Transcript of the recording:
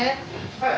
・はい。